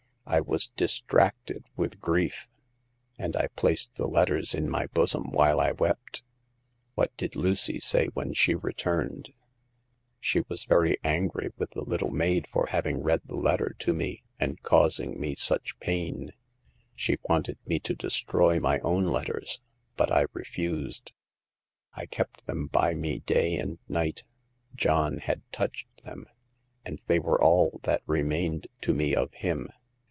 I was distracted with grief ; and I placed the letters in my bosom while I wept." What did Lucy say when she returned ?"" She was very angry with the little maid for having read the letter to me and causing me such pain. She wanted me to destroy my own letters, but I refused. I kept them by me day and night ; John had touched them, and they were all that remained to me of him.